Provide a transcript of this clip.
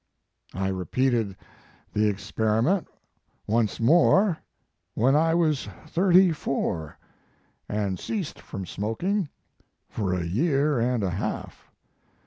I repeated the ex periment once more, when I was thirty four, and ceased from smoking for a year and a half.